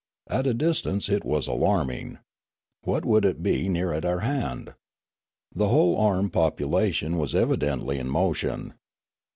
At a distance it was alarming. What would it be near at our hand ? The whole armed population was evidently in motion.